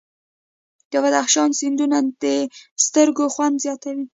د بدخشان سیندونه د سترګو خوند زیاتوي.